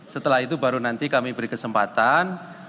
setelah itu baru nanti kami beri kesempatan